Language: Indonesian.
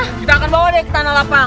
kita akan bawa deh ke tanah lapang